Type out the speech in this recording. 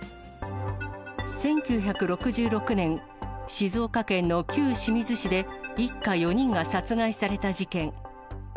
１９６６年、静岡県の旧清水市で一家４人が殺害された事件。